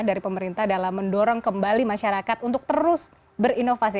dari pemerintah dalam mendorong kembali masyarakat untuk terus berinovasi